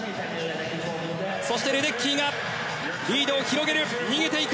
レデッキーがリードを広げる。